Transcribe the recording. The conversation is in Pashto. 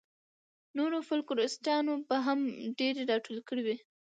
نورو فوکلوریسټانو به هم ډېرې راټولې کړې وي.